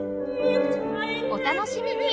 お楽しみに